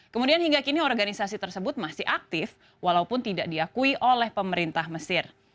kemudian hingga kini organisasi tersebut masih aktif walaupun tidak diakui oleh pemerintah mesir